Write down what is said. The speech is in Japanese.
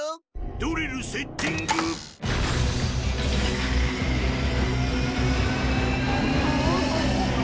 ドリルセッティング！わ。